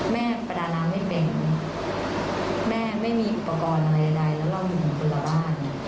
ประดาน้ำไม่เป็นแม่ไม่มีอุปกรณ์อะไรใดแล้วเรามีอยู่คนละบ้าน